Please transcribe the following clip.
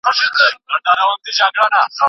ایا کلیوال د څېړونکي په ځواب قانع سول؟